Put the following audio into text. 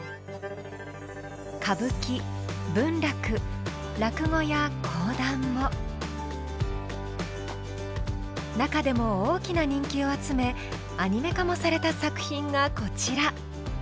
歌舞伎文楽落語や講談も中でも大きな人気を集めアニメ化もされた作品がこちら。